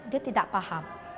dia tidak paham